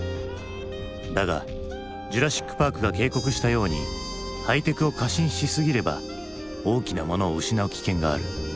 だが「ジュラシック・パーク」が警告したようにハイテクを過信しすぎれば大きなものを失う危険がある。